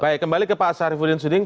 baik kembali ke pak syarifudin suding